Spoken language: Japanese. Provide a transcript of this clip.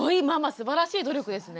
すばらしい努力ですね。